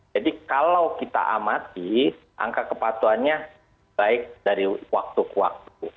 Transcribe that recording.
jadi kalau kita amati angka kepatuannya baik dari waktu ke waktu